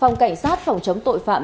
phòng cảnh sát phòng chống tội phạm